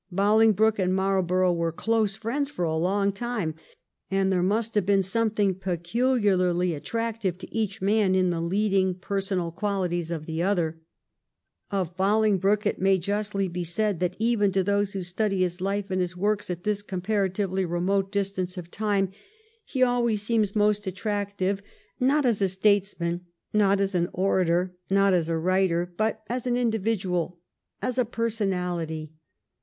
Bolingbroke and Marlborough were close friends for a long time, and there must have been something peculiarly attractive to each man in the leading personal qualities of the other. Of Bolingbroke it may justly be said that even to those who study his life and his works at this comparatively remote distance of time, he always seems most attractive not 72 THE EEIGN OF QUEEN ANNE. ch. xxiv. as a statesman, not as an orator, not as a writer, but as an individual, as a personality.